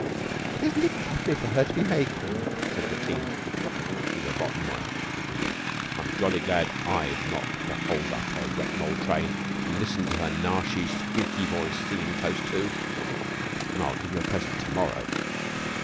"Isn't it lovely for her to be May Queen?" said Bettine. "She's a rotten one," said William. "I'm jolly glad I've not to hold up her rotten ole train an' listen to her narsy squeaky voice singin' close to, an' I'll give you a present to morrow."